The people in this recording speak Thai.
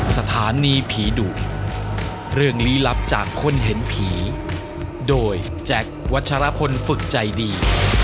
สถานีผีดุเรื่องลี้ลับจากคนเห็นผีโดยแจ็ควัชรพลฝึกใจดี